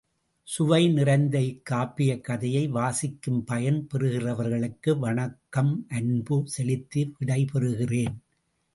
சுவை நிறைந்த இக் காப்பியக் கதையை வாசிக்கும் பயன் பெறுகிறவர்களுக்கு வணக்கமும் அன்பும் செலுத்தி விடைபெறுகிறேன்.